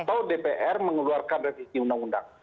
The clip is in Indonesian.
karena dpr mengeluarkan revisi undang undang